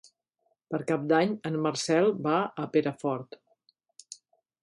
Per Cap d'Any en Marcel va a Perafort.